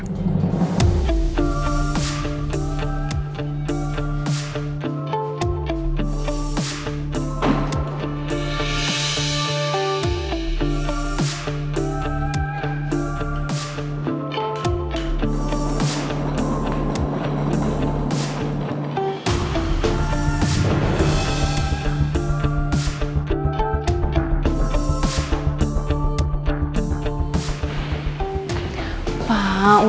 terima kasih bu